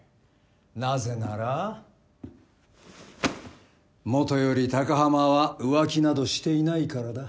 なぜならもとより高濱は浮気などしていないからだ。